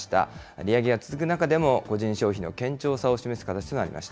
利上げが続く中でも、個人消費の堅調さを示す形となりました。